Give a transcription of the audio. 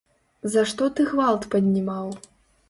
За што ты гвалт паднімаў?